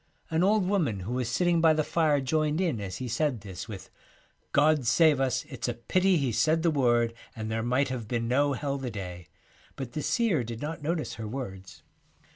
An old woman who was sitting by the fire joined in as he said this with ' God save us, it's a pity He said the word, and there might have been no Hell the day,' but the seer did not notice her words.